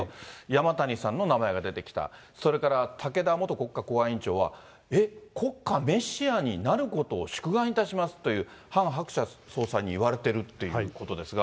山谷さんの名前が出てきた、それから武田元国家公安委員長はえっ、国家メシアになることを祝願いたしますという、ハン・ハクチャ総裁に言われているということですが。